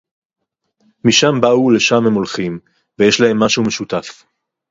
מִשָם בָּאוּ וּלְשֵם הֵם הוֹלְכִים, וְיֵש לָהֶם מַשֶהוּ מְשוּתָף